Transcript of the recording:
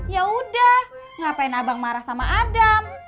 ya udah ngapain abang marah sama adam